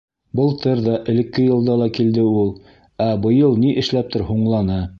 Былтыр ҙа, элекке йылда ла килде ул. Ә, быйыл ни эшләптер һуңланы.